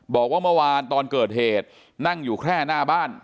บอกว่าเมื่อวานตอนเกิดเหตุนั่งอยู่แค่หน้าบ้าน